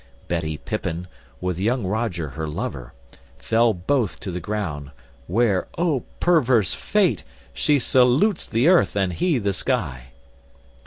Betty Pippin, with young Roger her lover, fell both to the ground; where, oh perverse fate! she salutes the earth, and he the sky.